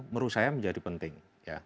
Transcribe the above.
menurut saya menjadi penting